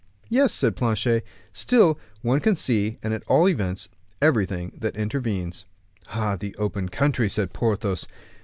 "Yes," said Planchet; "still, one can see, at all events, everything that intervenes." "Ah, the open country," said Porthos.